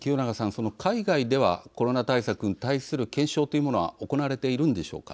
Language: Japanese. その海外ではコロナ対策に対する検証というものは行われているのでしょうか。